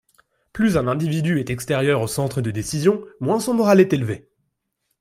Plus un individu est extérieur au centre de décision, moins son moral est élevé.